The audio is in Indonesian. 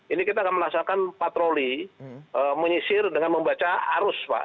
ini kita akan melaksanakan patroli menyisir dengan membaca arus pak